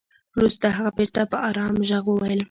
وروسته هغه بېرته په ارام ږغ وويل.